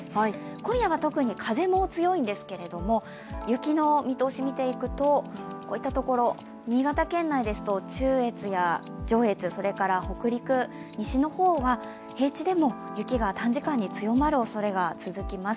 今夜は特に風も強いんですが、雪の見通し見ていくと、こういったところ新潟県内ですと中越や上越、それから北陸、西の方は平地でも雪が短時間に強まるおそれが続きます。